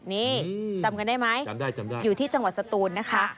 นี่จำกันได้ไหมจำได้จำได้อยู่ที่จังหวัดสตูนนะคะ